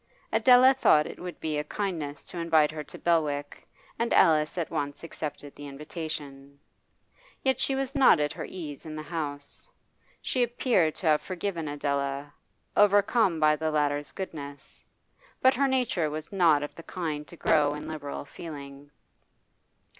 Adela thought it would be a kindness to invite her to Belwick and Alice at once accepted the invitation. Yet she was not at her ease in the house. She appeared to have forgiven Adela, overcome by the latter's goodness, but her nature was not of the kind to grow in liberal feeling.